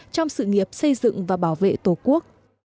trong sự nghiệp xây dựng và bảo vệ tổ quốc